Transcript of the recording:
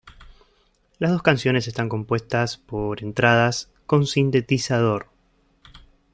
Las dos canciones están compuestas por entradas con sintetizador.